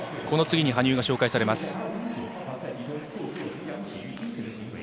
この次に羽生が紹介されます。